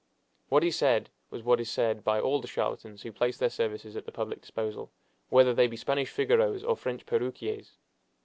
What he said was what is said by all the charlatans who place their services at the public disposal, whether they be Spanish Figaros or French perruqiers.